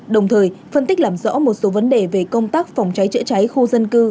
đồng thời phân tích làm rõ một số vấn đề về công tác phòng cháy chữa cháy khu dân cư